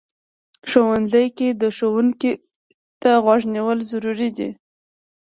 ښوونځی کې ښوونکي ته غوږ نیول ضروري دي